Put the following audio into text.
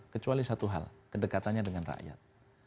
kecuali satu hal kedekatannya dengan rakyat